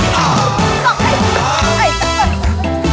เปลี่ยนคู่